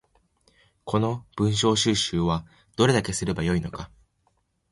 この文章収集はどれだけすれば良いのか